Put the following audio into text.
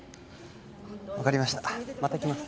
分かりましたまた来ます